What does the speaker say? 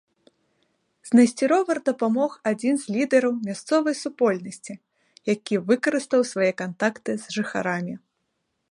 Знайсці ровар дапамог адзін з лідэраў мясцовай супольнасці, які выкарыстаў свае кантакты з жыхарамі.